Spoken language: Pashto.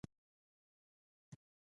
دا د ایمان د رامنځته کولو یوازېنۍ نسخه ده